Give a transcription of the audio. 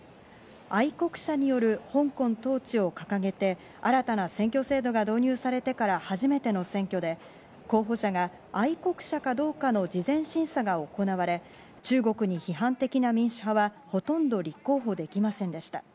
愛国者による香港統治を掲げて新たな選挙制度が導入されてから初めての選挙で候補者が愛国者かどうかの事前審査が行われ中国に批判的な民主派はほとんど立候補できませんでした。